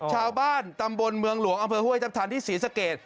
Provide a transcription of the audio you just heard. ชาวบ้านตำบลเมืองหลวงอำเภอห้วยทัพทันที่ศรีสะเกด